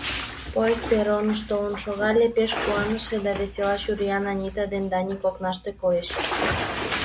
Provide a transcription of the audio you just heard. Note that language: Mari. Поезд перроныш толын шогале, пеш куаныше да весела чуриян Анита ден Даник окнаште койыч.